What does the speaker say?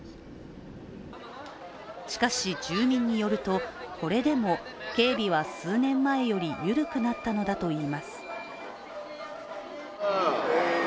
しかし、住民によるとこれでも警備は数年前より緩くなったのだといいます。